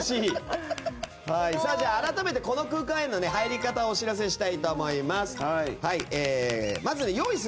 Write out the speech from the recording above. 改めてこの空間への入り方をお知らせしたいと思います。